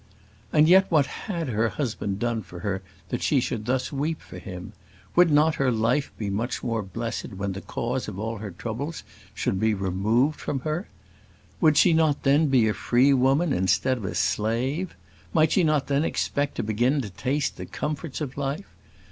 And yet what had her husband done for her that she should thus weep for him? Would not her life be much more blessed when this cause of all her troubles should be removed from her? Would she not then be a free woman instead of a slave? Might she not then expect to begin to taste the comforts of life?